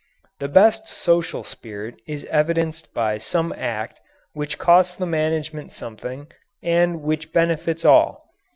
The best social spirit is evidenced by some act which costs the management something and which benefits all.